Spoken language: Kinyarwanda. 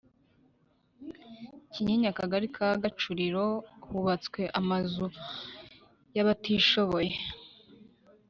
Kinyinya Akagali ka Gacuriro hubatswe amazu yabatishoboye